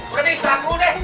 ke diisraku deh